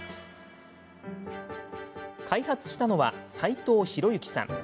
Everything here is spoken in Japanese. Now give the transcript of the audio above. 開発したのは齋藤宏之さん。